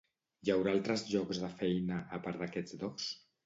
Hi haurà altres llocs de feina, a part d'aquests dos?